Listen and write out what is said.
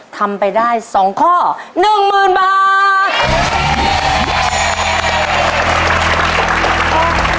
ทำไปได้๒ข้อหนึ่งหมื่นบาท